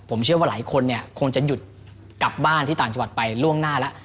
ผมเชื่อว่าหลายคนเนี่ยคงจะหยุดกลับบ้านที่ต่างจังหวัดไปล่วงหน้าแล้ว